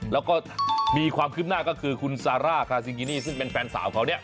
แล้วก็มีความคืบหน้าก็คือคุณซาร่าคาซิงกินี่ซึ่งเป็นแฟนสาวเขาเนี่ย